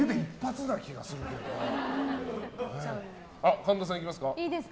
神田さんいきますか？